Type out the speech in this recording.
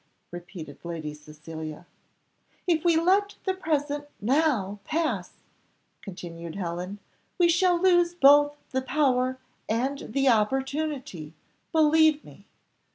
repeated Lady Cecilia. "If we let the present now pass," continued Helen, "we shall lose both the power and the opportunity, believe me."